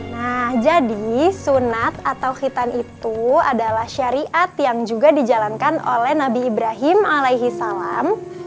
nah jadi sunat atau hitan itu adalah syariat yang juga dijalankan oleh nabi ibrahim alaihi salam